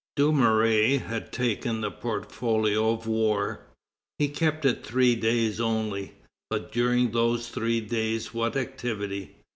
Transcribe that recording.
Dumouriez had taken the portfolio of war. He kept it three days only. But during those three days what activity!